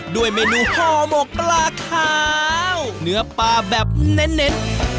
โดยเมนูฮอบอกปลาขาวเนื้อปลาแบบเน็น